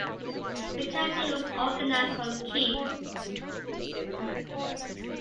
The campaign was organized from Kiev.